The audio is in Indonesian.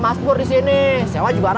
mas pur disini sewa juga rame